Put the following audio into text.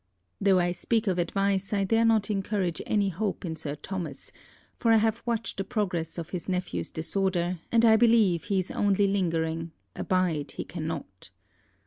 Though I speak of advice, I dare not encourage any hope in Sir Thomas, for I have watched the progress of his nephew's disorder, and I believe he is only lingering abide he cannot.